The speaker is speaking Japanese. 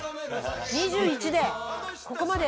２１でここまで！